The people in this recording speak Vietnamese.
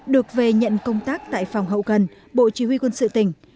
được về nhận công tác tại phòng hậu cần bộ chỉ huy quân sự tỉnh